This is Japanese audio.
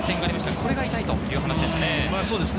これが痛いという話ですね。